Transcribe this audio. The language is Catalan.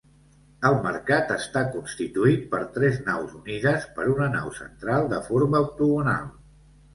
El mercat està constituït per tres naus unides per una nau central de forma octogonal.